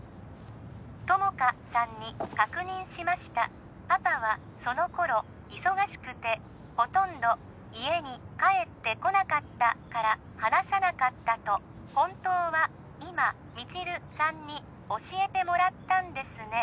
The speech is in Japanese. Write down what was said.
友果さんに確認しましたパパはそのころ忙しくてほとんど家に帰ってこなかったから話さなかったと本当は今未知留さんに教えてもらったんですね？